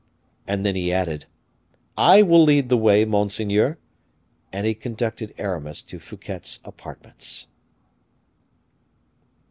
And then he added, "I will lead the way, monseigneur," and he conducted Aramis to Fouquet's apartments.